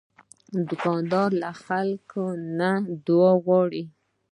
دوکاندار له خلکو نه دعا غواړي.